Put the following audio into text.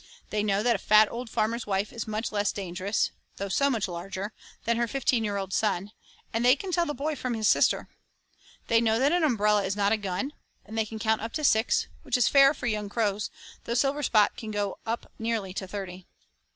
They know that a fat old farmer's wife is much less dangerous, though so much larger, than her fifteen year old son, and they can tell the boy from his sister. They know that an umbrella is not a gun, and they can count up to six, which is fair for young crows, though Silverspot can go up nearly to thirty.